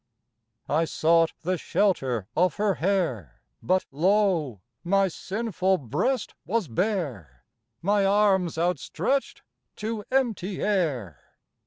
I sought the shelter of her hair, But lo! my sinful breast was bare, My arms outstretched to empty air.